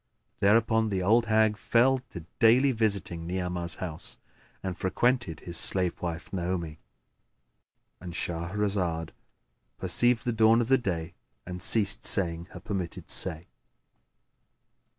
Thereupon the old hag fell to daily visiting Ni'amah's house and frequented his slave wife, Naomi.— And Shahrazad perceived the dawn of day and ceased saying her permitted say.